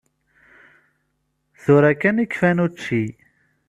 Tura kan i kfan učči.